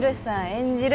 演じる